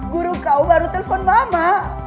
guru kau baru telpon mama